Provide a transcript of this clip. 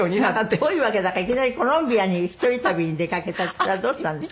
どういう訳だかいきなりコロンビアに一人旅に出かけたってそれはどうしたんですか？